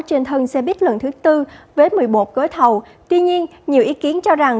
trên thân xe buýt lần thứ tư với một mươi một gói thầu tuy nhiên nhiều ý kiến cho rằng